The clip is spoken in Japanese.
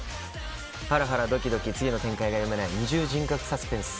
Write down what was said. ハラハラドキドキ次の展開が読めない二重人格サスペンス